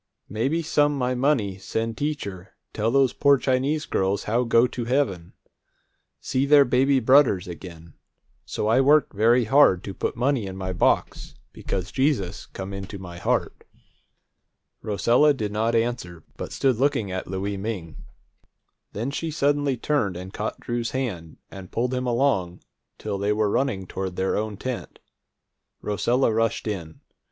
Maybe some my money send teacher tell those poor Chinese girls how go to heaven, see their baby brudders again. So I work very hard to put money in my box, because Jesus come into my heart." Rosella did not answer, but stood looking at Louie Ming. Then she suddenly turned and caught Drew's hand, and pulled him along till they were running toward their own tent. Rosella rushed in.